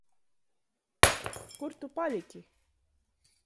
Kur tu palyki?